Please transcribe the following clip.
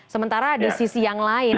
sementara di sisi yang lain